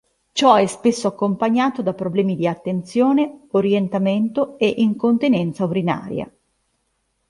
Ciò è spesso accompagnato da problemi di attenzione, orientamento e incontinenza urinaria.